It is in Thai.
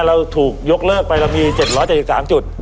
เราถูกยกเลิกไปเรามี๗๗๓จุด